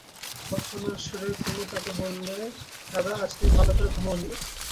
ভর্ৎসনার সুরে কুমু তাকে বললে, দাদা, আজ তুমি ভালো করে ঘুমোও নি।